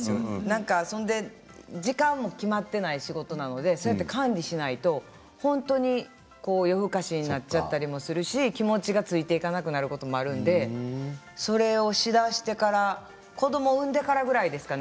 時間も決まっていない仕事なので管理をしないと本当に夜更かしになってしまったりするし気持ちがついていかなくなってしまうこともあるのでそれをしだしてから子どもを産んでからぐらいからでしょうかね。